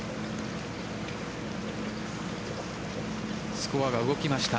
スコアが動きました。